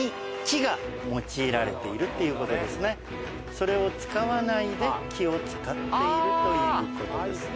それを使わないで木を使っているということですね。